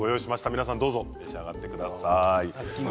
皆さんどうぞ召し上がってください。